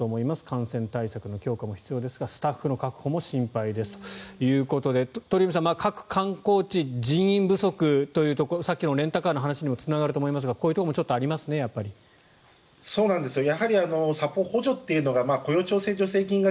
感染対策の強化も必要ですがスタッフの確保も心配ですということで鳥海さん、各観光地人員不足というさっきのレンタカーの話にもつながると思いますがこういうところもちょっとやっぱりありますね。